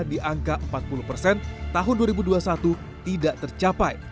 di angka empat puluh persen tahun dua ribu dua puluh satu tidak tercapai